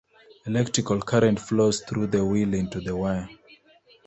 Electrical current flows through the wheel into the wire.